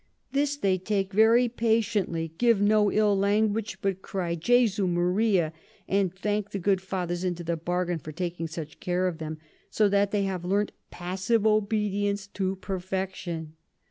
This they take very patiently, give no ill Language, but cry Jesu Maria! and thank the good Fathers into the bargain for taking such care of 'em; so that they have learnt Passive Obedience to perfection.